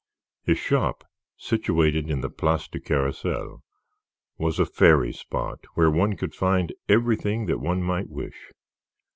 His shop, situated in the Place du Carrousel, was a fairy spot where one could find everything that one might wish.